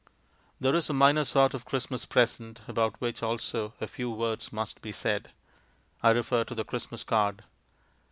There is a minor sort of Christmas present about which also a few words must be said; I refer to the Christmas card.